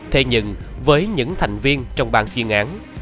thế nhưng với những thành viên trong ban chuyên án